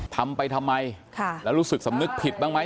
ทำไปทำไมแล้วรู้สึกสำนึกผิดบ้างไหม